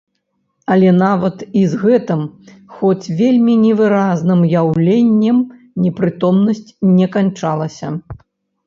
Але нават і з гэтым, хоць вельмі невыразным, уяўленнем непрытомнасць не канчалася.